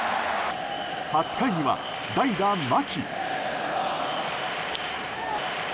８回には代打、牧。